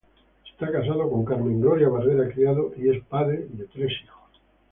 Está casado con Carmen Gloria Barrera Criado y es padre de tres hijos.